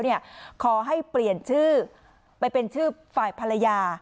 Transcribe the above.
ขอให้เปลี่ยนชื่อไปเป็นชื่อฝ่ายภรรยา